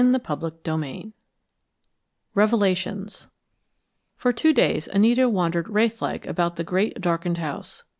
CHAPTER II REVELATIONS For two days Anita wandered wraithlike about the great darkened house.